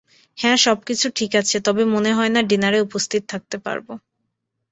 হ্যাঁ সবকিছু ঠিক আছে তবে মনে হয়না ডিনারে উপস্থিত থাকতে পারব।